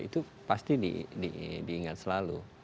itu pasti diingat selalu